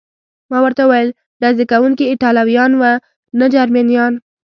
ما ورته وویل: ډزې کوونکي ایټالویان و، نه جرمنیان.